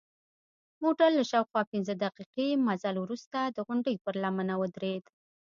موټر له شاوخوا پنځه دقیقې مزل وروسته د غونډۍ پر لمنه ودرید.